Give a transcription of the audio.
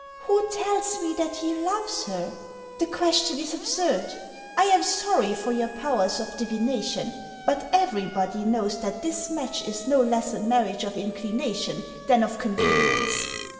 " Who tells me that he loves her ? The question is absurd. I am sorry for your powers of divination ; but everybody knows that this match is no less a marriage of inclination than of convenience."